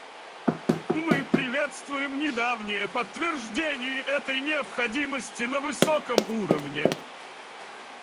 Мы приветствуем недавнее подтверждение этой необходимости на высоком уровне.